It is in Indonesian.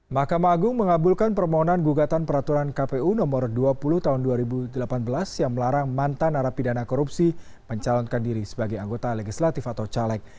mahkamah agung mengabulkan permohonan gugatan peraturan kpu nomor dua puluh tahun dua ribu delapan belas yang melarang mantan narapidana korupsi mencalonkan diri sebagai anggota legislatif atau caleg